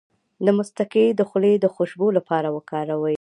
د مصطکي د خولې د خوشبو لپاره وکاروئ